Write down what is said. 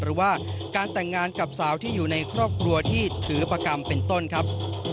หรือว่าการแต่งงานกับสาวที่อยู่ในครอบครัวที่ถือประกรรมเป็นต้นครับ